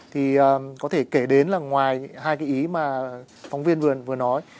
thì có thể kể đến là ngoài hai cái ý mà phóng viên vừa nói